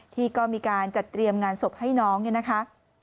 ที่ก็มีการจัดเตรียมงานศพให้น้องเนี่ยนะคะ